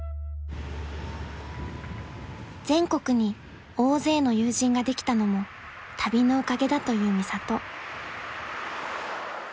［全国に大勢の友人ができたのも旅のおかげだと言うミサト］